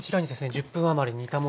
１０分余り煮たものが。